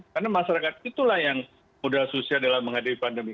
karena masyarakat itulah yang mudah mudahan susah dalam menghadapi pandemi